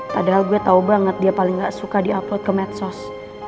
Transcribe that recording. padahal gue tau banget dia paling gak suka di upload ke medsos